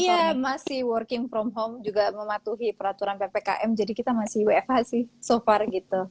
iya masih working from home juga mematuhi peraturan ppkm jadi kita masih wfh sih so far gitu